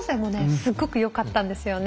すっごくよかったんですよね。